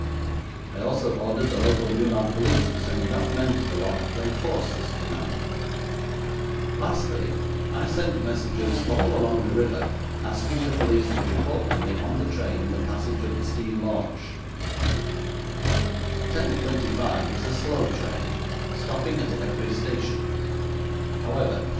I also ordered the local Meulan police to send enough men to the lock to enforce this command. Lastly, I sent messages all along the river asking the police to report to me on the train the passage of the steam launch. The 10.25 is a slow train, stopping at every station.